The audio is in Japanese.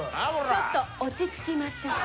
ちょっと落ち着きましょう。